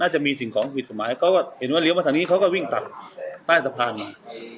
จะมีสิ่งของผิดกฎหมายก็เห็นว่าเลี้ยมาทางนี้เขาก็วิ่งตัดใต้สะพาน